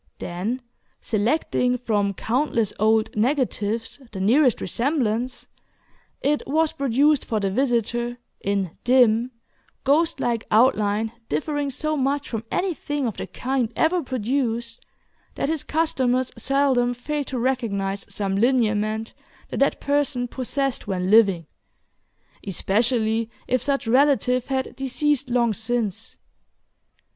Then, selecting from countless old "negatives" the nearest resemblance, it was produced for the visitor, in dim, ghostlike outline differing so much from anything of the kind ever produced, that his customers seldom failed to recognize some lineament the dead person possessed when living, especially if such relative had deceased long since.